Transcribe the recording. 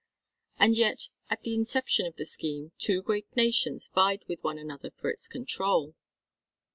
And yet at the inception of the scheme two great nations vied with one another for its control.